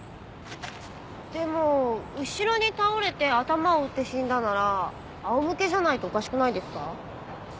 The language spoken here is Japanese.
でも後ろに倒れて頭を打って死んだなら仰向けじゃないとおかしくないですか？